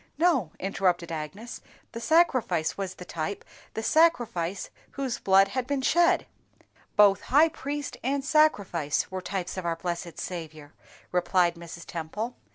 "No," interrupted Agnes, "the sacrifice was the type, the sacrifice whose blood had been shed." "Both high priest and sacrifice were types of our blessed Saviour," replied Mrs. Temple.